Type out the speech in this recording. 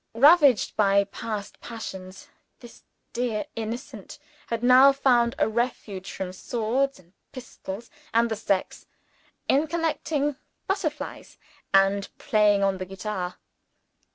Ravaged by past passions, this dear innocent had now found a refuge from swords, pistols, and the sex, in collecting butterflies and playing on the guitar.